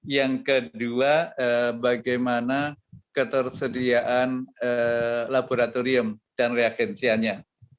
yang kedua bagaimana ketersediaan laboratorium dan reagensianya